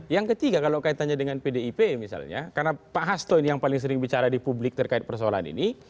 yang ketiga kalau kaitannya dengan pdip misalnya karena pak hasto ini yang paling sering bicara di publik terkait persoalan ini